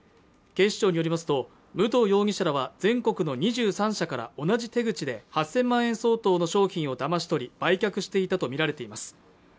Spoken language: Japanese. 警視庁によりますと武藤容疑者らは全国の２３社から同じ手口で８０００万円相当の商品をだまし取り売却していたと見られています